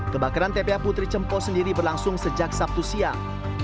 kebakaran tpa putri cempo sendiri berlangsung sejak sabtu siang